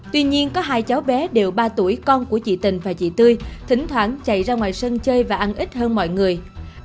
tuy nhiên có hai cháu bé đều ba tuổi con của chị tình và chị tươi thỉnh thoảng chạy ra ngoài sân chơi và ăn ít hơn mọi người